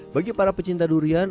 bagi para pecinta durian